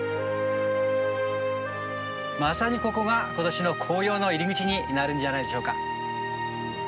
まさにここが今年の紅葉の入り口になるんじゃないでしょうか。